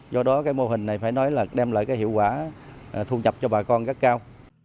do đó cái mô hình này phải nói là đem lại cái hiệu quả thu nhập cho bà con rất cao